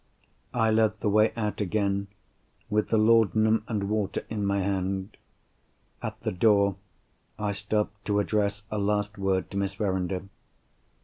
I led the way out again, with the laudanum and water in my hand. At the door, I stopped to address a last word to Miss Verinder.